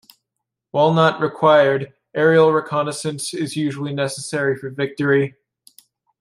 While not required, aerial reconnaissance is usually necessary for victory.